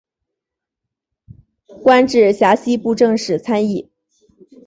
官至陕西布政使参议。